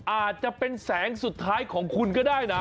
อาจจะเป็นแสงสุดท้ายของคุณก็ได้นะ